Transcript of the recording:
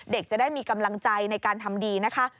เด็กจะได้มีกำลังใจในการทำดีนะคะ